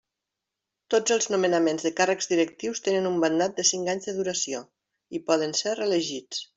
Tots els nomenaments de càrrecs directius tenen un mandat de cinc anys de duració, i poden ser reelegits.